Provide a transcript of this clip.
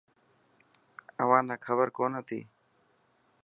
اوهان نا کبر ڪون هتي.